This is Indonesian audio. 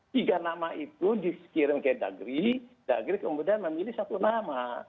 tiga nama itu dikirim ke dagri dagri kemudian memilih satu nama